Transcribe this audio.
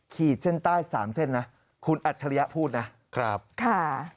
ขีดเส้นใต้สามเส้นนะคุณอัจฉริยะพูดนะครับค่ะ